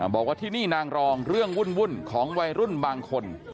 บอกว่าที่นี่นางรองเรื่องวุ่นของวัยรุ่นบางคน